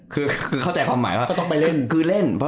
ก็ต้องไปเล่น